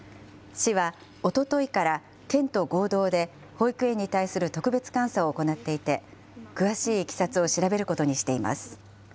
市はおとといから県と合同で、保育園に対する特別監査を行っていて、詳しいいきさつを調べることにしています。